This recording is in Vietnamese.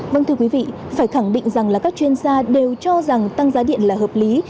vâng thưa quý vị phải khẳng định rằng là các chuyên gia đều cho rằng tăng giá điện là hợp lý